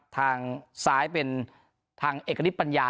ทางซ้ายเป็นทางเอกณิตปัญญา